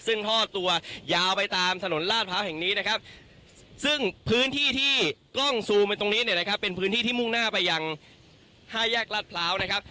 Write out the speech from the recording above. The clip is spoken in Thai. ซึ่งท่อตัวยาวไปตามถนนลาดพร้าวแห่งนี้นะครับซึ่งพื้นที่ที่กล้องซูมไปตรงนี้เนี่ยนะครับเป็นพื้นที่ที่มุ่งหน้าไปยังห้าแยกลาดพร้าวนะครับ